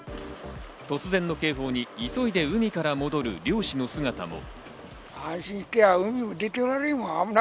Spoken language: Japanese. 突然の警報に急いで海から戻る漁師の姿も。